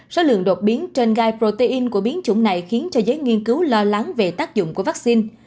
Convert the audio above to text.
số lượng đột biến trên gai protein của biến chủng này khiến cho giới nghiên cứu lo lắng về tác dụng của vaccine